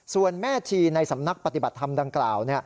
ส่วนแม่ชีในสำนักปฏิบัติธรรมดังกล่าว